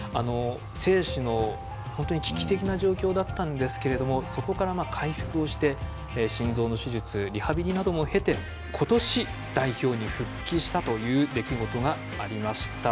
生死の危機的な状況だったんですけれどもそこから回復して、心臓の手術リハビリなども経て今年、代表に復帰したという出来事がありました。